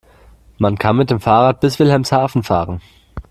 Man kann mit dem Fahrrad bis Wilhelmshaven fahren